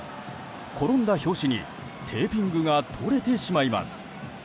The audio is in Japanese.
転んだ拍子にテーピングが取れてしまいます。